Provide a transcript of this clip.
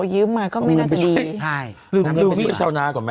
อ๋อยืมมาก็ไม่น่าจะดี